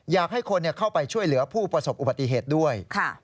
อยากให้คนเข้าไปช่วยเหลือผู้ประสบอุบัติเหตุด้วย